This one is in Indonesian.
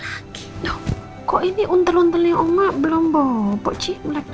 aku ingin pulang ya allah